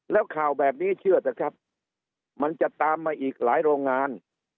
แล้วข่าวแบบนี้เชื่อเถอะครับมันจะตามมาอีกหลายโรงงาน